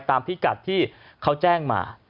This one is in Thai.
พิกัดที่เขาแจ้งมา